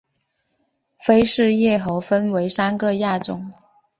菲氏叶猴分成三个亚种